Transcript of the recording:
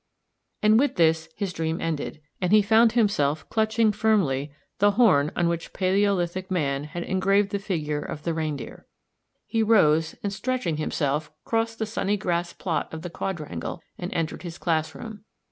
And with this his dream ended, and he found himself clutching firmly the horn on which Palæolithic man had engraved the figure of the reindeer. He rose, and stretching himself crossed the sunny grass plot of the quadrangle and entered his classroom.